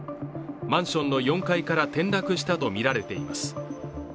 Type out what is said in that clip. マンションの４階から転落したとみられています。